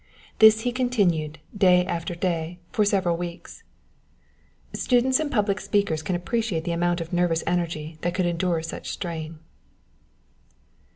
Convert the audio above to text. This he continued, day after day, for several weeks." Students and public speakers can appreciate the amount of nervous energy that could endure such a strain.